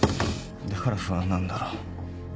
だから不安なんだろ？